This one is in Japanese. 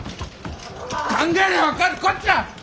考えりゃ分かるこっちゃ！